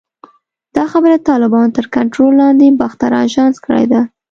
دا خبره د طالبانو تر کنټرول لاندې باختر اژانس کړې ده